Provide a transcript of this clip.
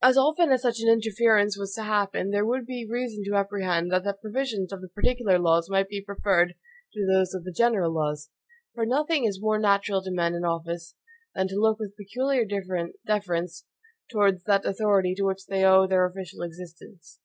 As often as such an interference was to happen, there would be reason to apprehend that the provisions of the particular laws might be preferred to those of the general laws; for nothing is more natural to men in office than to look with peculiar deference towards that authority to which they owe their official existence.